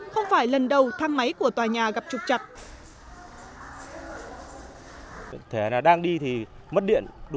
không phải là những người đã bị bệnh